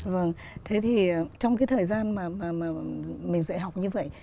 vâng thế thì trong cái thời gian mà mình dạy học như vậy